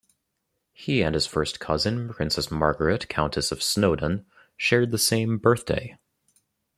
He and his first cousin, Princess Margaret, Countess of Snowdon, shared the same birthday.